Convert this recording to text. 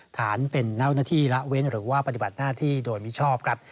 ฐานเป็นเจ้าหน้าที่ละเว้นหรือว่าปฏิบัติหน้าที่โดยมิชอบครับ